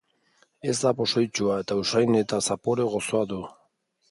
Ez da pozoitsua, eta usain eta zapore gozoa du.